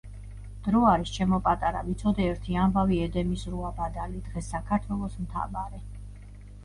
დრო არის, ჩემო პატარავ, იცოდე ერთი ამბავი ედემის როა ბადალი, დღეს საქართველოს მთა ბარი!